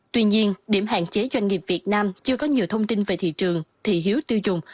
tuy nhiên điểm hạn chế doanh nghiệp việt nam chưa có nhiều thông tin về thị trường thị hiếu tiêu dùng